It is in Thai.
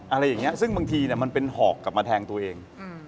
อะไรอย่างนี้ซึ่งบางทีมันเป็นหอกกลับมาแทงตัวเอง